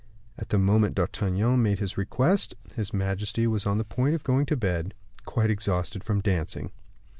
At the moment D'Artagnan made his request, his majesty was on the point of going to bed, quite exhausted from dancing.